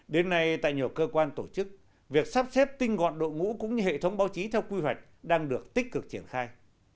đến nay tại nhiều cơ quan tổ chức việc sắp xếp tinh gọn đội ngũ cũng như hệ thống báo chí theo quy hoạch đang được tích cực triển khai